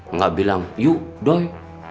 nggak bilang yuk doi